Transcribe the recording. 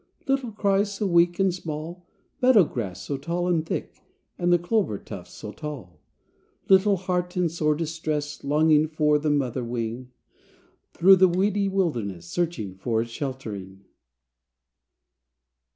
Little cry so weak and small, Meadow grass so tall and thick, And the clover tufts so tall! Little heart in sore distress, Longing for the mother wing; Through the weedy wilderness Searching for its sheltering!